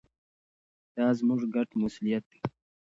دا زموږ ګډ مسوولیت دی.